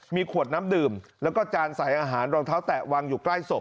มีขวดน้ำดื่มแล้วก็จานใส่อาหารรองเท้าแตะวางอยู่ใกล้ศพ